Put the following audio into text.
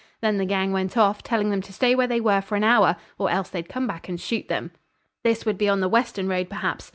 Then the gang went off, telling them to stay where they were for an hour or else they'd come back and shoot them. This would be on the western road, perhaps.